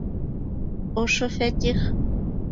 Ошо Фәтих!